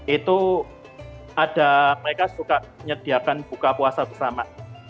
itu ada mereka suka menyediakan buka puasa bersama